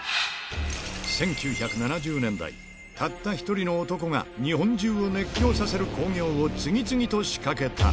１９７０年代、たった一人の男が日本中を熱狂させる興行を次々としかけた。